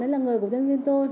đấy là người của nhân viên tôi